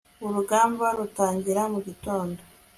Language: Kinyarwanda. urugamba rutangira mu gitondo